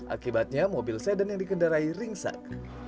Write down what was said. akibatnya mobil sedan yang dikendarai ringsek